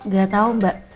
gak tau mbak